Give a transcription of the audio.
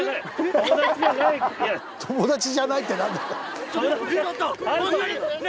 友達じゃないって何だ。